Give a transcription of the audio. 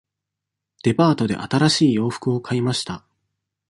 デパートで新しい洋服を買いました。